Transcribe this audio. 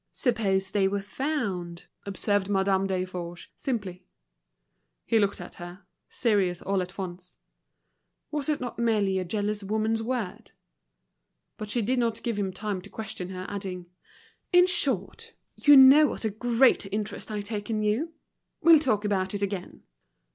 "Suppose they were found?" observed Madame Desforges, simply. He looked at her, serious all at once. Was it not merely a jealous woman's word? But she did not give him time to question her, adding: "In short, you know what a great interest I take in you. We'll talk about it again."